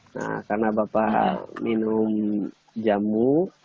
nah karena bapak minum jamu